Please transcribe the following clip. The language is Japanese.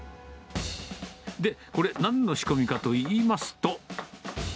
で、これ、なんの仕込みかといいますと。